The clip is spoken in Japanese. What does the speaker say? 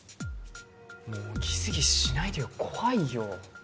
もうギスギスしないでよ怖いよ